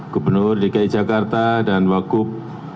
gubernur dki jakarta dan wakub